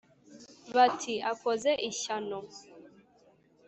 bati: akoze ishyano!”